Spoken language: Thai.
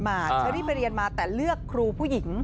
เชอรี่ไปเรียนมาแต่เลือกครูผู้หญิง